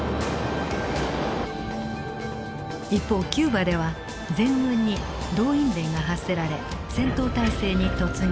一方キューバでは全軍に動員令が発せられ戦闘態勢に突入。